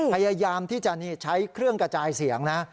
พยายามที่จะใช้เครื่องกระจายเสียงนะ